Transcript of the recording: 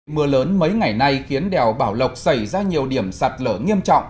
mưa lớn mấy ngày nay khiến đèo bảo lộc xảy ra nhiều điểm sạt lở nghiêm trọng